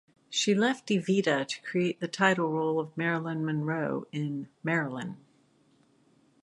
She left "Evita" to create the title role of Marilyn Monroe in "Marilyn!